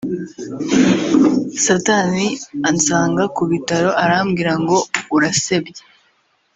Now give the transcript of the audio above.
Satani ansanga ku bitaro arambwira ngo urasebye